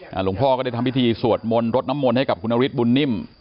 หลวงพ่อก็ได้ทำพิธีสวดมนต์รดน้ำมนต์ให้กับคุณนฤทธบุญนิ่ม